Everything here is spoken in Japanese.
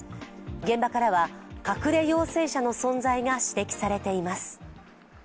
現場からは隠れ陽性者の存在が指摘されています。